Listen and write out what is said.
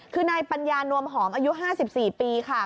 คือนายปัญญานวมหอมอายุ๕๔ปีค่ะ